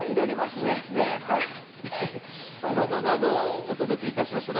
そうですね。などなどお届けいたしました。